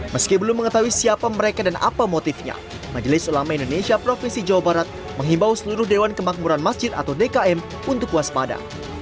meski belum mengetahui siapa mereka dan apa motifnya majelis ulama indonesia provinsi jawa barat menghimbau seluruh dewan kemakmuran masjid atau dkm untuk waspada